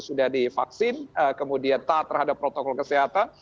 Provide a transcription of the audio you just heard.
sudah divaksin kemudian taat terhadap protokol kesehatan